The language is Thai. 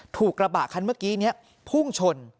ถูกระบะคันเมื่อกี้นี่ภูมิชน